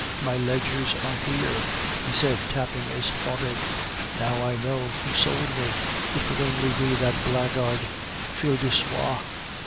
My ledgers are here," he said tapping his forehead. "Now I know who sold me! It could only be that blackguard Fil de Soie.